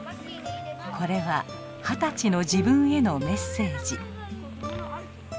これは二十歳の自分へのメッセージ。